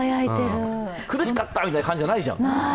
苦しかった！みたいな感じがないじゃん。